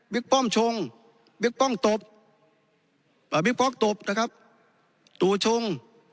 บิ๊กป้อมชงบิ๊กป้องตบเอ่อบิ๊กป้องตบนะครับตูชง